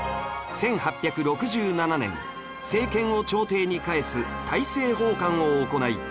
１８６７年政権を朝廷に返す大政奉還を行い